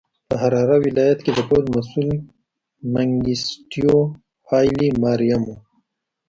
په حراره ولایت کې د پوځ مسوول منګیسټیو هایلي ماریم و.